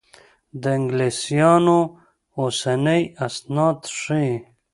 د انګلیسیانو اوسني اسناد ښيي.